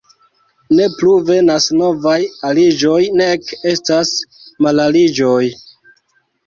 Ne plu venas novaj aliĝoj, nek estas malaliĝoj.